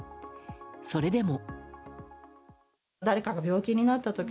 それでも。